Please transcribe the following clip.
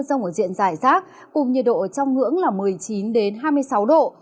rông ở diện dài rác cùng nhiệt độ trong ngưỡng là một mươi chín hai mươi sáu độ